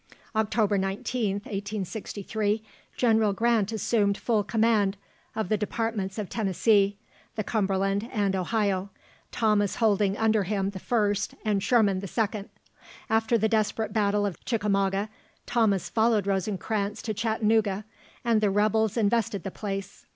October 19th, 1863, General Grant assumed full command of the Departments of Tennessee, the Cumberland, and Ohio, Thomas holding under him the first, and Sherman the second. After the desperate battle of Chicamauga, Thomas followed Rosencranz to Chattanooga, and the rebels invested the place.